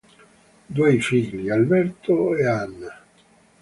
Due i figli: Alberto e Anna.